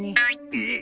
えっ。